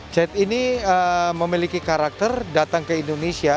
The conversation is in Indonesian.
chat ini memiliki karakter datang ke indonesia